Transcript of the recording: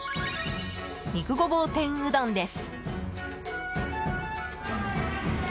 肉ごぼう天うどんです。